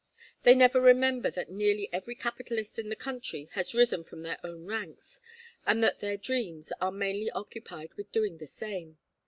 They never remember that nearly every capitalist in the country has risen from their own ranks, and that their dreams are mainly occupied with doing the same.